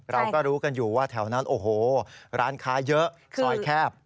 เราก็รู้กันอยู่ว่าแถวนั้นโอ้โหร้านค้าเยอะซอยแคบ